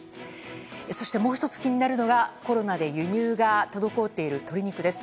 そして、もう１つ気になるのがコロナで輸入が滞っている鶏肉です。